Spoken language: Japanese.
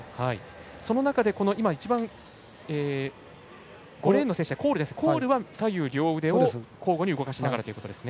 その中で、５レーンのコールは左右両腕を交互に動かしながらということですね。